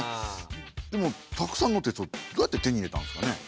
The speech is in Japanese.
でもたくさんの鉄をどうやって手に入れたんですかね？